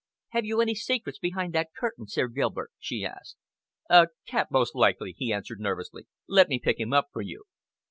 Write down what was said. "Have you any secrets behind that curtain, Sir Gilbert?" she asked. "A cat most likely," he answered nervously. "Let me pick him up for you."